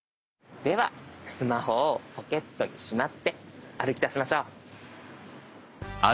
ではスマホをポケットにしまって歩きだしましょう。